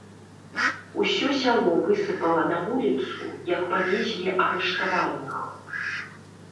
Усё сяло высыпала на вуліцу, як павезлі арыштаваных.